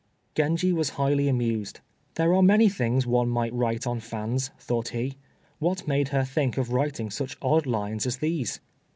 Genji was highly amused. "There are many things one might write on fans," thought he; "what made her think of writing such odd lines as these?"